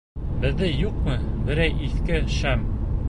Беҙҙә юҡмы берәй иҫке шәм?